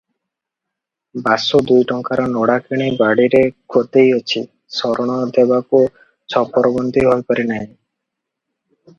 ବାସୁ ଦୁଇ ଟଙ୍କାର ନଡ଼ା କିଣି ବାଡ଼ିରେ ଗଦେଇଅଛି, ଶରଣ ଦେବାରୁ ଛପରବନ୍ଦି ହୋଇପାରି ନାହିଁ ।